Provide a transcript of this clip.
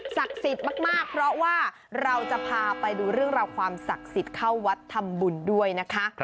สิทธิ์มากเพราะว่าเราจะพาไปดูเรื่องราวความศักดิ์สิทธิ์เข้าวัดทำบุญด้วยนะคะ